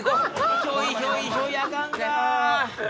ひょいひょいひょいアカンか！